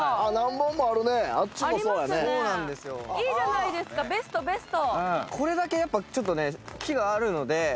ありますねいいじゃないですかベストベスト。